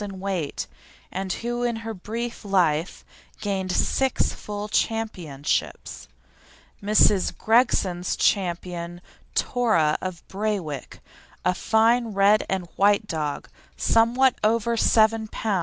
in weight, and who in her brief life gained six full championships. Mrs. Gregson's Ch. Tora of Braywick, a fine red and white dog, somewhat over 7 lb.